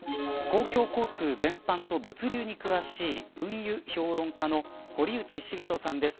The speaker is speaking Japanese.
公共交通全般と物流に詳しい運輸評論家の堀内重人さんです。